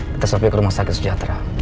kita sampai ke rumah sakit sejahtera